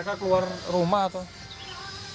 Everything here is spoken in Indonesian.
kita ini cuma penguasaan ruangnya jual jualan